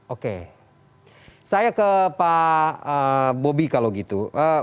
oke saya ke pak bobi kalau gitu